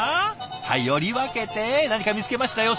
はいより分けて何か見つけましたよ。